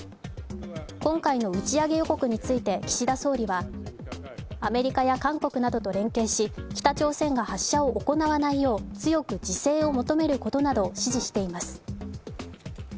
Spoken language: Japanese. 今回の打ち上げ予告について岸田総理はアメリカや韓国などと連携し北朝鮮が発射を行わないよう強く自制を求めることなどを指示しています。